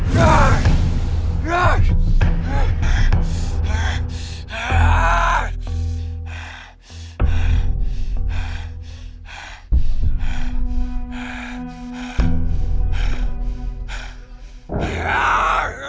jangan lupa sekarang